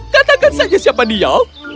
katakan saja siapa dia